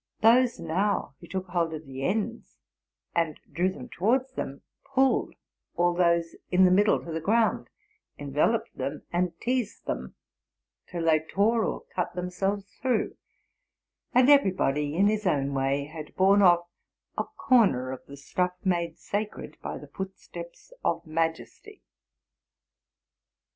'Those now who took hold of the ends and drew them towards them, pulled all those in the middle to the ground, enveloped them and teased them till they tore or cut themselves through; and everybody, in his own way, had borne off a corner of the stuff made sacred by the footsteps of majesty.